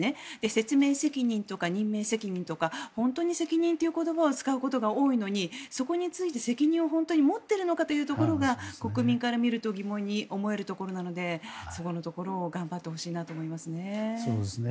説明責任とか任命責任とか本当に責任という言葉を使うことが多いのにそこについて責任を本当に持っているのかというところが国民から見ると疑問に思えるところなのでそこのところを頑張ってほしいなと思いますね。